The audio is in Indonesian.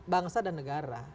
bangsa dan negara